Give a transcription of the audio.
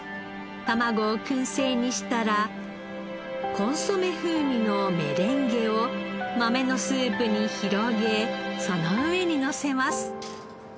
たまごを燻製にしたらコンソメ風味のメレンゲを豆のスープに広げその上にのせます。